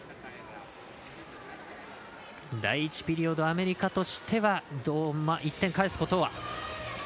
第１ピリオド、アメリカとしては１点返すことは。